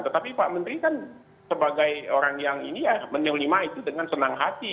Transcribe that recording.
tetapi pak menteri kan sebagai orang yang menyelimah itu dengan senang hati